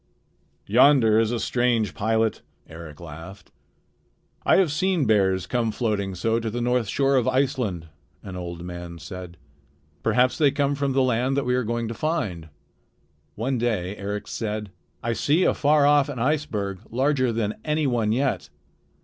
"Yonder is a strange pilot," Eric laughed. "I have seen bears come floating so to the north shore of Iceland," an old man said. "Perhaps they come from the land that we are going to find." One day Eric said: "I see afar off an iceberg larger than any one yet.